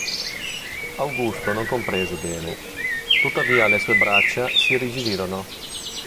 Augusto non comprese bene, tuttavia le sue braccia s'irrigidirono.